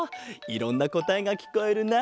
いろんなこたえがきこえるな。